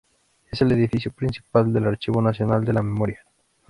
Es el edificio principal del Archivo Nacional de la Memoria.